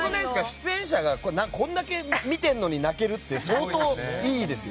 出演者がこれだけ見てるのに泣けるって相当いいですよ。